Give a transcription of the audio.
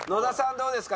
どうですか？